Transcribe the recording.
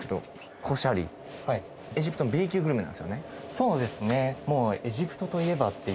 そうですね